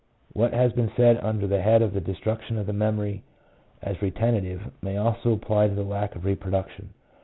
What has been said under the head of the destruction of the memory as retentive, may also apply to the lack of reproduction.